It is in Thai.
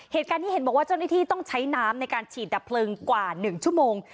เหตุการณ์ที่เห็นบอกว่าเจ้าหน้าที่ต้องใช้น้ำในการฉีดดับเพลิงกว่า๑ชั่วโมง